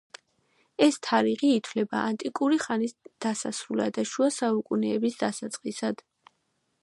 ეს თარიღი ითვლება ანტიკური ხანის დასასრულად და შუა საუკუნეების დასაწყისად.